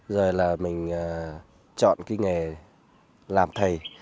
rồi là mình chọn cái nghề làm thầy